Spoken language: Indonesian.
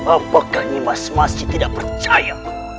apakah nimas masih tidak percaya